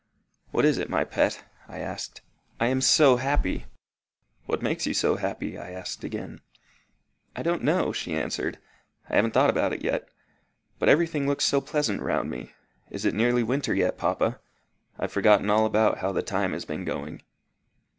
"What is it, my pet?" I asked. "I am so happy!" "What makes you so happy?" I asked again. "I don't know," she answered. "I haven't thought about it yet. But everything looks so pleasant round me. Is it nearly winter yet, papa? I've forgotten all about how the time has been going."